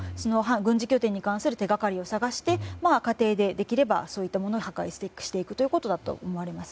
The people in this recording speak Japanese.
軍事拠点に関する手掛かりを探して過程でできればそういったものを破壊していくということだと思われます。